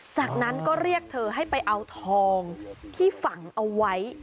จากนั้นก็เรียกเธอให้ไปเอาทองที่ฝังเอาไว้